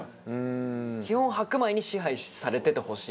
基本白米に支配されててほしい。